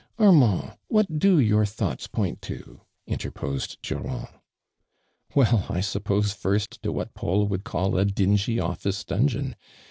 " Armand, what do your thouglits point to ?" interposed Durand. " Well, 1 suppose first to what Paul would call a dingy office dungeon.